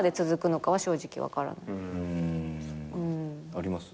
あります？